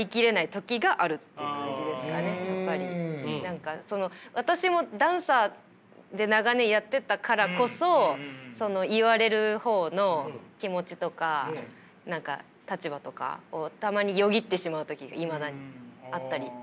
何かその私もダンサーで長年やってたからこそ言われる方の気持ちとか立場とかたまによぎってしまう時がいまだにあったり。